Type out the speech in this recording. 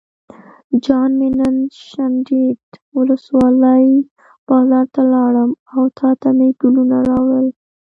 جان مې نن شینډنډ ولسوالۍ بازار ته لاړم او تاته مې ګلونه راوړل.